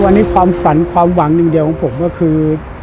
วันนี้ความฝันความหวังอย่างเดียวของผมก็คือ